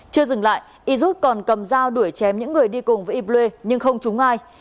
chưa dừng lại yirut còn cầm dao đuổi chém những người đi cùng với yible nhưng không trúng ai